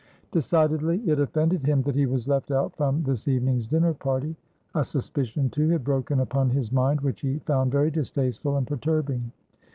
Decidedly it offended him that he was left out from this evening's dinner party. A suspicion, too, had broken upon his mind which he found very distasteful and perturbing.